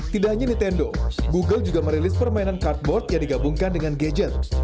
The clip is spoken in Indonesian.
tidak hanya nintendo google juga merilis permainan cardboard yang digabungkan dengan gadget